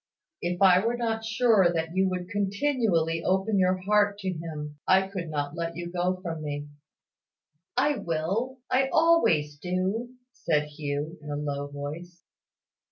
If I were not sure that you would continually open your heart to Him, I could not let you go from me." "I will I always do," said Hugh, in a low voice.